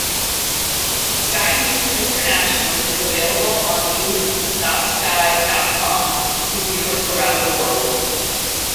Sky News International is available on news.sky dot com to viewers around the world.